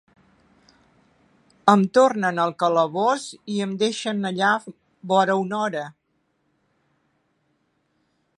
Em tornen al calabós i em deixen allà vora una hora.